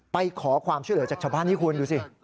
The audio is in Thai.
ไปขอความช่วยเหลือจากชาวบ้านนี่คุณดูสิ